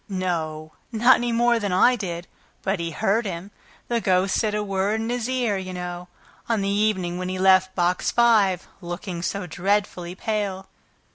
"No, not any more than I did; but he heard him. The ghost said a word in his ear, you know, on the evening when he left Box Five, looking so dreadfully pale."